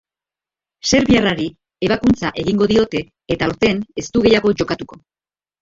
Serbiarrari ebakuntza egingo diote eta aurten ez du gehiago jokatuko.